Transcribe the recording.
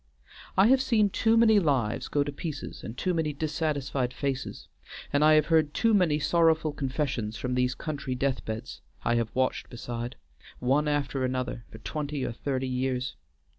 I have seen too many lives go to pieces, and too many dissatisfied faces, and I have heard too many sorrowful confessions from these country death beds I have watched beside, one after another, for twenty or thirty years.